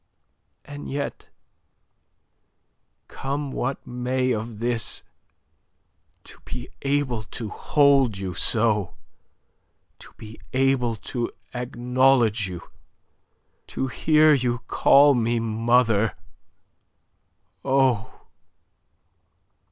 And yet come what may of this to be able to hold you so, to be able to acknowledge you, to hear you call me mother oh!